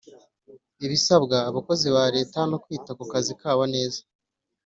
ibisabwa abakozi ba leta no kwita kukazi kabo neza